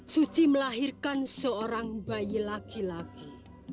suci melahirkan seorang bayi laki laki